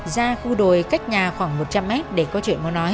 ra khu đồi cách nhà khoảng một trăm linh mét để có chuyện mà nói